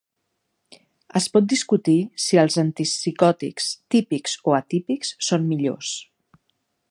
Es pot discutir si els antipsicòtics típics o atípics són millors.